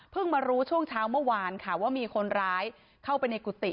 มารู้ช่วงเช้าเมื่อวานค่ะว่ามีคนร้ายเข้าไปในกุฏิ